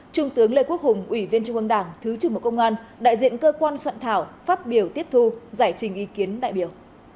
trung tướng lê quốc hùng ủy viên trung ương đảng thứ trưởng bộ công an đại diện cơ quan soạn thảo phát biểu tiếp thu giải trình ý kiến đại biểu